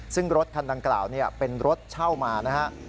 ซึ่งรถคันดังกล่าวเป็นรถเช่ามานะครับ